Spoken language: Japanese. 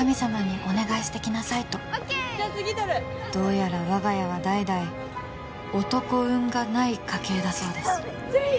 「お願いしてきなさい」とどうやら我が家は代々「男運がない家系」だそうです